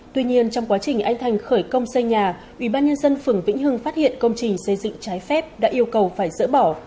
tuy nhiên trong quá trình anh thành khởi công xây nhà ubnd phường vĩnh hưng phát hiện công trình xây dựng trái phép đã yêu cầu phải dỡ bỏ